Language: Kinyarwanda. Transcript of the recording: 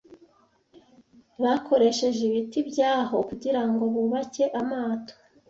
Bakoresheje ibiti byaho kugirango bubake amato.